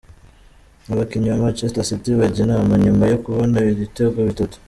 Abakinnyi ba Manchester City bajya inama nyuma yo kubona ibitego bitatu.